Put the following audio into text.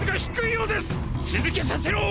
続けさせろ！！